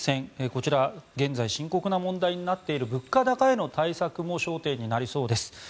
こちら現在深刻な問題になっている物価高への対策も焦点になりそうです。